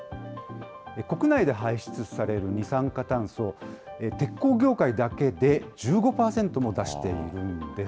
国内で排出される二酸化炭素、鉄鋼業界だけで１５％も出しているんです。